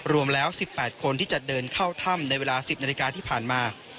รวมแล้ว๑๘คนที่จะเดินเข้าถ้ำในเวลา๑๐นาฬิกาที่ผ่านมา